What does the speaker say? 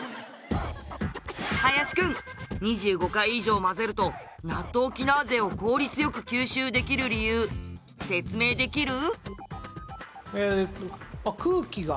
林くん２５回以上混ぜるとナットウキナーゼを効率よく吸収できる理由説明できる？